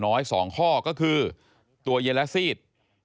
พบหน้าลูกแบบเป็นร่างไร้วิญญาณ